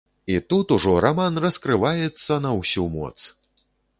І тут ужо раман раскрываецца на ўсю моц!